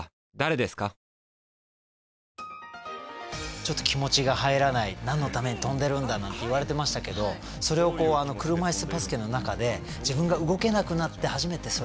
ちょっと気持ちが入らない何のために跳んでるんだなんて言われてましたけどそれをこう車いすバスケの中で自分が動けなくなって初めてそれを感じて。